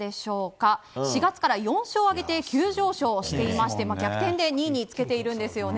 ４月から４勝を挙げて急上昇していまして逆転で２位につけているんですよね。